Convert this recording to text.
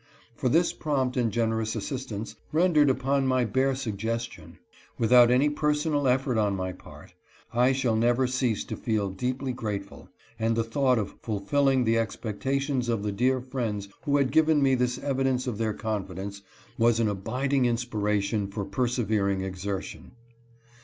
For this prompt and generous assistance, rendered upon my bare suggestion, without any personal effort on my part, I shall never cease to feel deeply grateful, and the thought of fulfilling the expectations of the dear friends who had given me this evidence of their confidence was an abiding inspiration for persevering exertion.